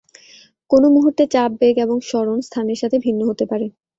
কোনো মুহুর্তে চাপ, বেগ এবং সরণ স্থানের সাথে ভিন্ন হতে পারে।